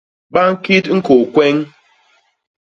Ba ñkit ñkôô kweñ.